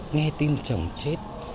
nghe tin chồng chết